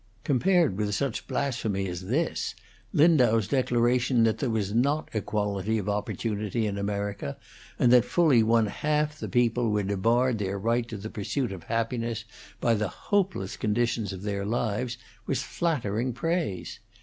Compared with such blasphemy as this, Lindau's declaration that there was not equality of opportunity in America, and that fully one half the people were debarred their right to the pursuit of happiness by the hopeless conditions of their lives, was flattering praise.